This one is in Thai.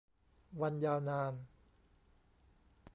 วันยาวนาน